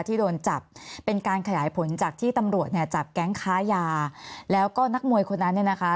ที่โดนจับเป็นการขยายผลจากที่ตำรวจเนี่ยจับแก๊งค้ายาแล้วก็นักมวยคนนั้นเนี่ยนะคะ